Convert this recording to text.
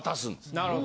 なるほど。